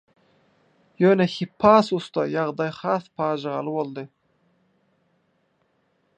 Ýöne Hippasusda ýagdaý has pajygaly boldy.